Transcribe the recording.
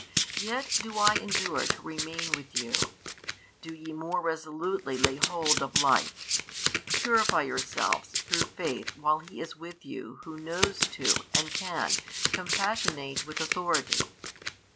Yet do I endure to remain with you, do ye more resolutely lay hold of life, purify yourselves through faith while He is with you Who knows to, and can, compassionate with authority.